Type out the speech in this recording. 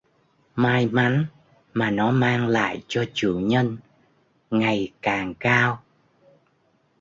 May mắn mà nó mang lại cho chủ nhân ngày càng cao